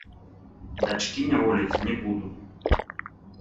Дачкі няволіць не буду.